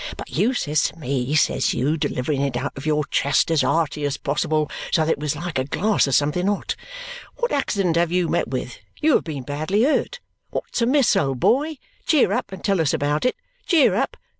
But you says to me, says you, delivering it out of your chest as hearty as possible, so that it was like a glass of something hot, 'What accident have you met with? You have been badly hurt. What's amiss, old boy? Cheer up, and tell us about it!' Cheer up!